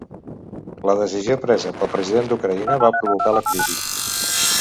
La decisió presa pel president d'Ucraïna va provocar la crisi.